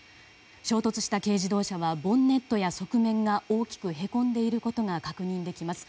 衝突した軽自動車はボンネットや側面が大きくへこんでいることが確認できます。